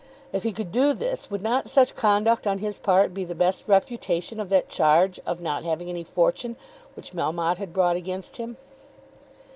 If he could do this, would not such conduct on his part be the best refutation of that charge of not having any fortune which Melmotte had brought against him?